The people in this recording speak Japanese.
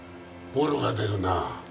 ボロが出るな。